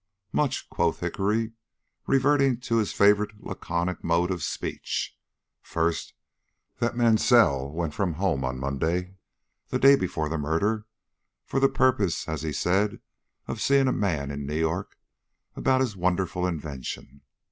"Much," quoth Hickory, reverting to his favorite laconic mode of speech. "First, that Mansell went from home on Monday, the day before the murder, for the purpose, as he said, of seeing a man in New York about his wonderful invention.